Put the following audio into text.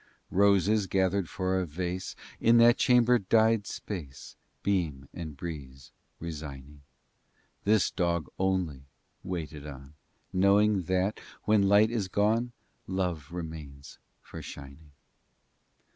VIII Roses, gathered for a vase, In that chamber died space, Beam and breeze resigning: This dog only waited on, Knowing, that, when light is gone, Love remains for shining.